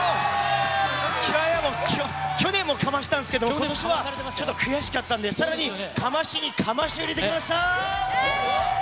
去年もかましたんですけど、ことしは、ちょっと悔しかったんで、さらにかましにかましを入れてきました。